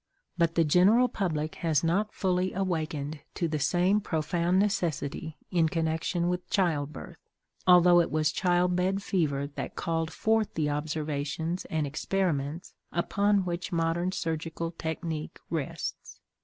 But the general public has not fully awakened to the same profound necessity in connection with childbirth, although it was child bed fever that called forth the observations and experiments upon which modern surgical technique rests.